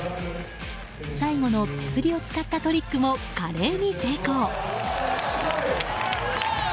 最後の手すりを使ったトリックも華麗に成功。